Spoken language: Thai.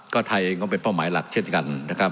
ก็ไทยก็เป็นเป้าหมายหลักเช่นกัน